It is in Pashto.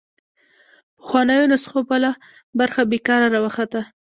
پخوانو نسخو بله برخه بېکاره راوخته